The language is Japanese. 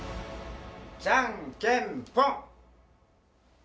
じゃんけんぽん！